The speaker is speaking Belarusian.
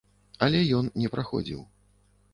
Але ён не праходзіў.